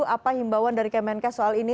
apa himbauan dari kemenkes soal ini